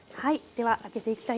はい。